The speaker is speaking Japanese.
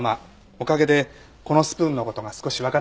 おかげでこのスプーンの事が少しわかってきました。